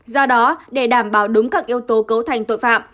do đó để đảm bảo đúng các yếu tố cấu thành tội phạm